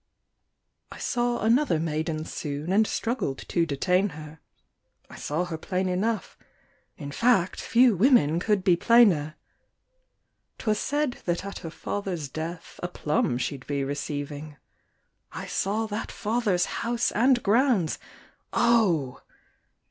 I saw another maiden soon, And struggled to detain her; I saw her plain enough in fact, Few women could be plainer; 'Twas said, that at her father's death A plum she'd be receiving: I saw that father's house and grounds! Oh!